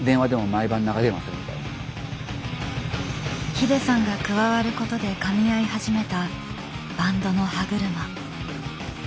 ＨＩＤＥさんが加わることでかみ合い始めたバンドの歯車。